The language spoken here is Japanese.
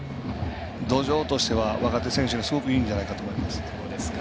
土壌としては、若手選手にすごくいいんじゃないかなと思います。